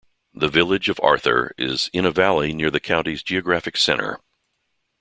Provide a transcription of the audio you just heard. The village of Arthur is in a valley near the county's geographic center.